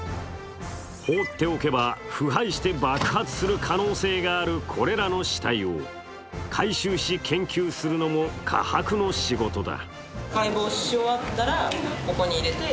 放っておけば腐敗して爆発する可能性のあるこれらの死体を回収し、研究するのも科博の仕事だ。